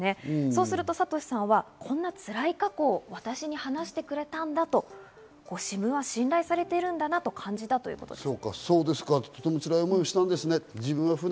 そうすると、さとしさんはこんなつらい過去を私に話してくれたんだと、自分は信頼されているんだなと感じたということです。